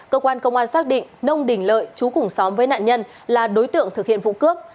cơ quan công an xác định nông đình lợi chú cùng xóm với nạn nhân là đối tượng thực hiện vụ cướp